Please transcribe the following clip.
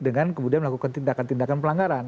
dengan kemudian melakukan tindakan tindakan pelanggaran